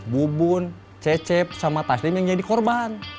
bubun cecep sama taslim yang jadi korban